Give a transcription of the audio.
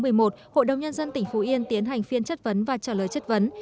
hội đồng nhân dân tỉnh phú yên tiến hành phiên chất vấn và trả lời chất vấn